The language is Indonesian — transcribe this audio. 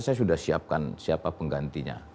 saya sudah siapkan siapa penggantinya